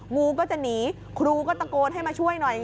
งูก็จะหนีครูก็ตะโกนให้มาช่วยหน่อย